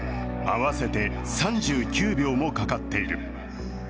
合わせて３９秒もかかっている。